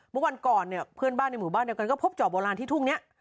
เมื่อวันก่อนเนี่ยเพื่อนบ้านในหมู่บ้านเดียวกันก็พบจอบโบราณที่ทุ่งนี้